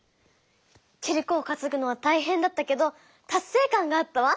キリコをかつぐのはたいへんだったけどたっせい感があったわ！